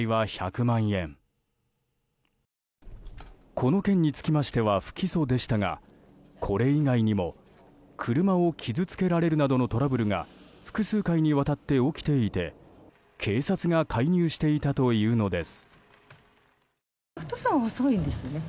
この件につきましては不起訴でしたがこれ以外にも車を傷つけられるなどのトラブルが複数回にわたって起きていて警察が介入していたというのです。